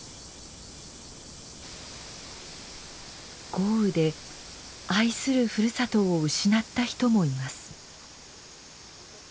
豪雨で愛するふるさとを失った人もいます。